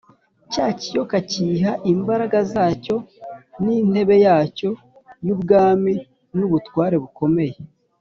Cya kiyoka kiyiha imbaraga zacyo n’intebe yacyo y’ubwami, n’ubutware bukomeye.